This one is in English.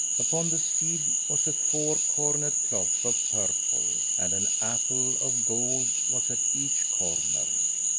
Upon the steed was a four cornered cloth of purple, and an apple of gold was at each corner.